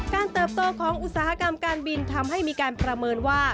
เติบโตของอุตสาหกรรมการบินทำให้มีการประเมินว่า